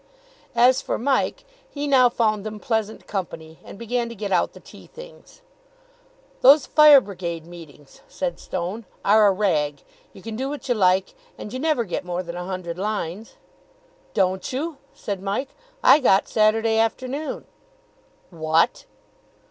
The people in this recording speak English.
As for Mike, he now found them pleasant company, and began to get out the tea things. "Those Fire Brigade meetings," said Stone, "are a rag. You can do what you like, and you never get more than a hundred lines." "Don't you!" said Mike. "I got Saturday afternoon." "What!"